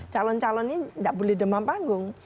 calon calon ini tidak boleh demam panggung